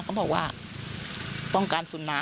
เขาบอกว่าป้องกันสุนัข